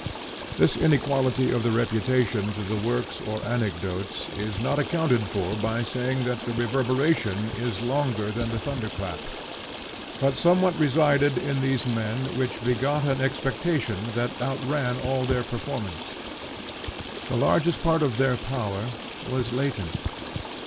This inequality of the reputation to the works or the anecdotes is not accounted for by saying that the reverberation is longer than the thunder clap, but somewhat resided in these men which begot an expectation that outran all their performance. The largest part of their power was latent.